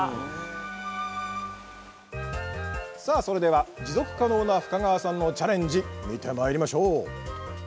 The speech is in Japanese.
それでは持続可能な深川さんのチャレンジ見てまいりましょう！